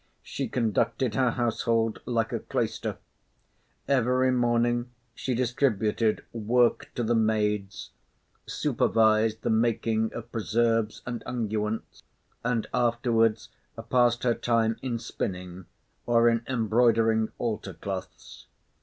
She conducted her household like a cloister. Every morning she distributed work to the maids, supervised the making of preserves and unguents, and afterwards passed her time in spinning, or in embroidering altar cloths.